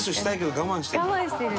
我慢してる。